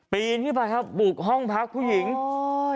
ปีนขึ้นไปครับบุกห้องพักผู้หญิงโอ้ย